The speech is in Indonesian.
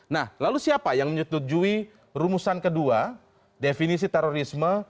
nah lalu siapa yang menyetujui rumusan kedua definisi terorisme